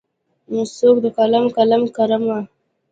څوکې د قلم، قلم کرمه